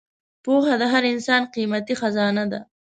پوهه د هر انسان قیمتي خزانه ده.